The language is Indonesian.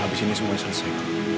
habis ini semuanya selesai